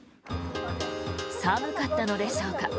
寒かったのでしょうか。